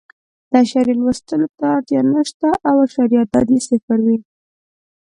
د اعشاریې لوستلو ته اړتیا نه شته او اعشاریه عدد یې صفر وي.